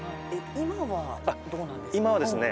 今はどうなんですか？